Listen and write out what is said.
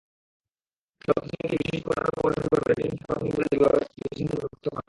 শব্দশ্রেণিকে বিশেষিত করার উপর নির্ভর করে বিশেষণকে প্রাথমিকভাবে দুই শ্রেণীতে বিভক্ত করা হয়।